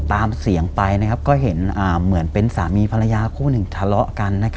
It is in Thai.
ตามเสียงไปก็เห็นเหมือนเป็นสามีภรรยาคู่หนึ่งทะเลาะกัน